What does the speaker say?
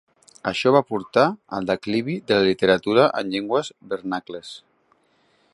Això va portar al declivi de la literatura en llengües vernacles.